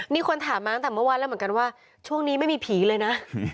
นี่คนถามมาตั้งแต่เมื่อวานแล้วเหมือนกันว่าช่วงนี้ไม่มีผีเลยนะ